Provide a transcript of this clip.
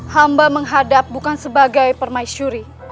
hamba menghadap bukan sebagai permaisuri